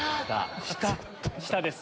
下です。